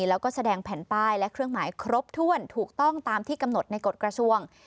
แล้วก็แสดงแผ่นป้ายและเครื่องหมายครบถ้วนถูกต้องตามที่กำหนดในกฎกระทรวง